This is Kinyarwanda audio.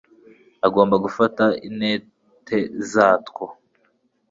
agomba gufata intete zatwo